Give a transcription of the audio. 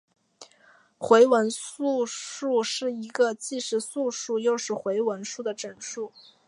回文素数是一个既是素数又是回文数的整数。